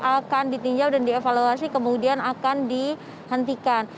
akan ditinjau dan dievaluasi kemudian akan dihentikan